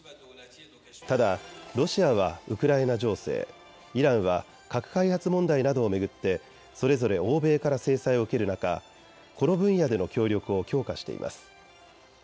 ただロシアはウクライナ情勢、イランは核開発問題などを巡ってそれぞれ欧米から制裁を受ける中、この分野での協力を強化しています。